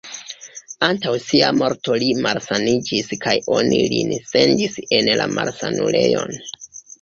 Antaŭ sia morto li malsaniĝis kaj oni lin sendis en la malsanulejon.